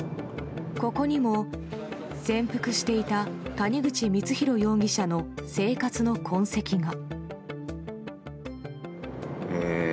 ここにも潜伏していた谷口光弘容疑者の生活の痕跡が。